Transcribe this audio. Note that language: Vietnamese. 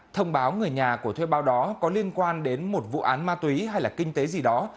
thông báo người nhà của thuê bao đó có liên quan đến một vụ án ma túy hay là kinh tế gì đó